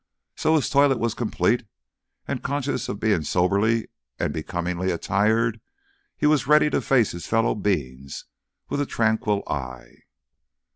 So his toilet was complete; and, conscious of being soberly and becomingly attired, he was ready to face his fellow beings with a tranquil eye.